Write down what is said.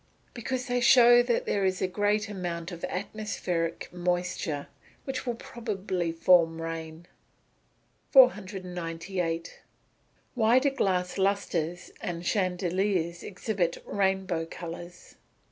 _ Because they show that there is a great amount of atmospheric moisture, which will probably form rain. 498. _Why do glass lustres and chandeliers exhibit "rainbow colours"?